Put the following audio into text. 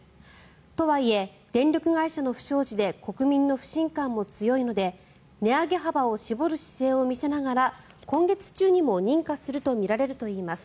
とはいえ、電力会社の不祥事で国民の不信感も強いので値上げ幅を絞る姿勢を見せながら今月中にも認可するとみられるといいます。